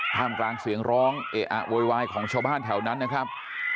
มกลางเสียงร้องเอะอะโวยวายของชาวบ้านแถวนั้นนะครับ